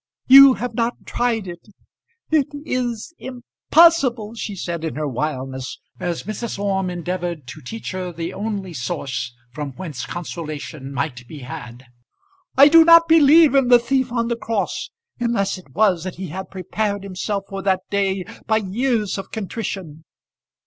You have not tried it. It is impossible," she said in her wildness, as Mrs. Orme endeavoured to teach her the only source from whence consolation might be had. "I do not believe in the thief on the cross, unless it was that he had prepared himself for that day by years of contrition.